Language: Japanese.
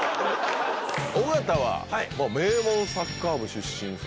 尾形は、名門サッカー部出身です